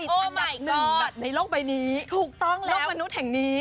อันดับหนึ่งแบบในโลกใบนี้ถูกต้องแล้วโลกมนุษย์แห่งนี้